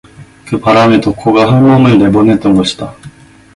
그 바람에 덕호가 할멈을 내보냈던 것이다.